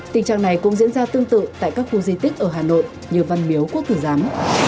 tình trạng này cũng diễn ra tương tự tại các khu di tích ở hà nội như văn miếu quốc tử giám